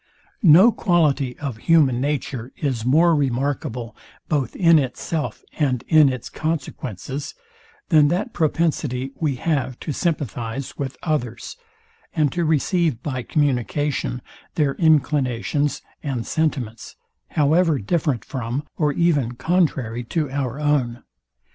No quality of human nature is more remarkable, both in itself and in its consequences, than that propensity we have to sympathize with others, and to receive by communication their inclinations and sentiments, however different from, or even contrary to our own.